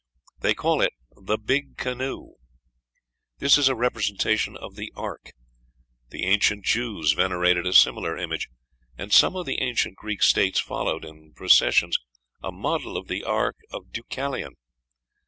They call it the 'Big Canoe.'" This is a representation of the ark; the ancient Jews venerated a similar image, and some of the ancient Greek States followed in processions a model of the ark of Deucalion.